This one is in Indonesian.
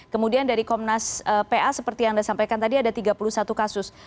kemudian dari komnas pa seperti yang anda sampaikan tadi ada tiga puluh satu kasus